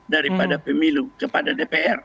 daripada pemilu kepada dpr